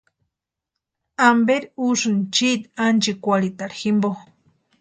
¿Amperi úsïni chiiti ánchikwarhita jimpo?